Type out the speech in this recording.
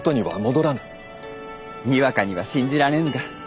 にわかには信じられぬが。